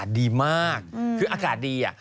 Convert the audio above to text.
อากาศดีมากคืออากาศดี